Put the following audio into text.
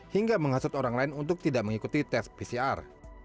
hingga menghasut orang lain untuk tidak mengikuti tes pcr